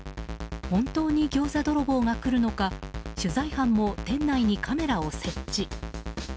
本当にギョーザ泥棒が来るのか取材班も店内にカメラを設置。